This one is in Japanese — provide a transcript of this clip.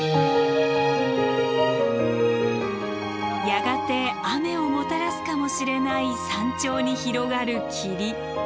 やがて雨をもたらすかもしれない山頂に広がる霧。